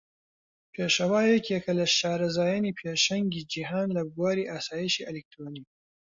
پێشەوا یەکێکە لە شارەزایانی پێشەنگی جیهان لە بواری ئاسایشی ئەلیکترۆنی.